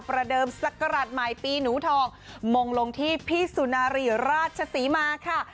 ประเดิมศักราชใหม่ปีหนูทองมงลงที่พี่สุนารีราชศรีมาค่ะ